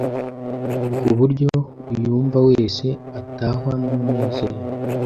ku buryo uyumva wese atahwa n’umunezero.